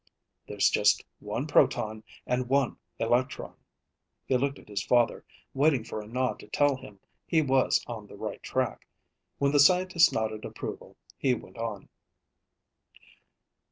There's just one proton and one electron." He looked at his father, waiting for a nod to tell him he was on the right track. When the scientist nodded approval, he went on.